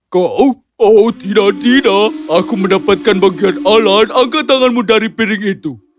kau oh tidak tidak aku mendapatkan bagian alan angkat tanganmu dari piring itu